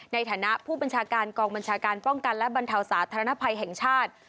ในฐานะผู้บัญชาการกองบัญชาการป้องกันและบรรเทาสาธารณภัยแห่งชาติ